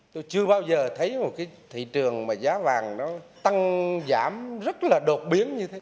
tôi chưa bao giờ thấy một cái thị trường mà giá vàng nó tăng giảm rất là đột biến như thế